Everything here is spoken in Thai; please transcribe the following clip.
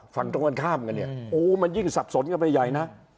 ฝั่งตรงกันข้ามกันเนี่ยโอ้มันยิ่งสับสนกันไปใหญ่นะ